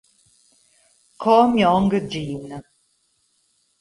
Ko Myong-jin